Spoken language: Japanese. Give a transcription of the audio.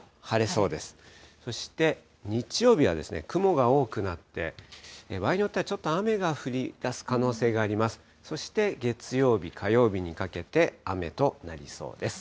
そして日曜日は雲が多くなって、場合によっては、ちょっと雨が降りだす可能性があります。